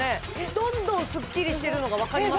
どんどんスッキリしてるのが分かりますか？